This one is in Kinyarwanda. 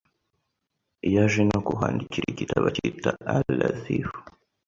yaje no kuhandikira igitabo acyita “al azif